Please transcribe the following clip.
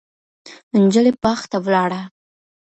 نجلۍ باغ ته ولاړه.